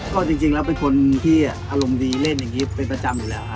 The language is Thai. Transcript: ก็จริงแล้วเป็นคนที่อารมณ์ดีเล่นอย่างนี้เป็นประจำอยู่แล้วค่ะ